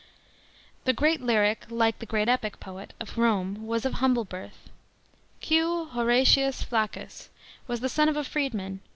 ::§ 4. The great lyric, like the great epic, poet of Rome was of humble birth. Q. HORATIUS FLACCUS was the son of a frccdman.